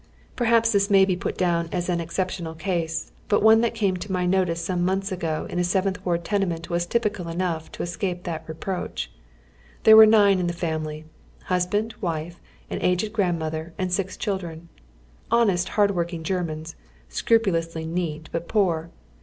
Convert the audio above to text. Perhaps this may be put down as an exceptional case, but one that came to my notice some months ago in a Seventh Wai d tenement was typical enough to escape that reproach. Tliere were nine in the family : liusband, wife, an aged grandmotlier, and six children ; honest, liard oy Google THB DOWN TOWN BACK ALLEYS. 47 working Germans, sci'iipulously neat, but poor.